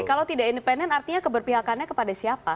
kalau tidak independen artinya keberpihakannya kepada siapa